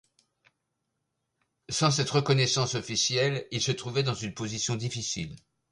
Sans cette reconnaissance officielle, ils se trouvaient dans une position difficile.